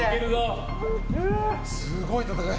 すごい戦い。